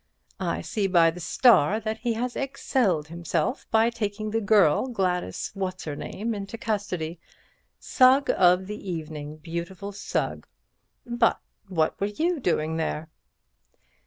I see by the Star that he has excelled himself by taking the girl, Gladys What's her name, into custody. Sugg of the evening, beautiful Sugg! But what were you doing there?"